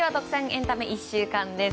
エンタメ１週間です。